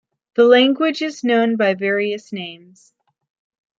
The language is known by various names.